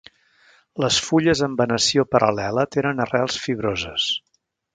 Les fulles amb venació paral·lela tenen arrels fibroses.